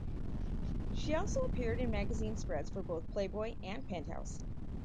She also appeared in magazine spreads for both "Playboy" and "Penthouse".